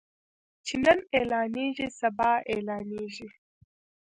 چې نن اعلانيږي سبا اعلانيږي.